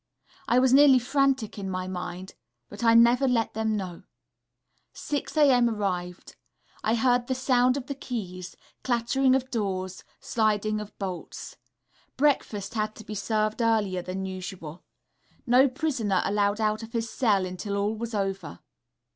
I was nearly frantic in my mind, but I never let them know. 6 0 a.m. arrived. I heard the sound of the keys, clattering of doors, sliding of bolts. Breakfast had to be served earlier than usual. No prisoner allowed out of his cell until all was over.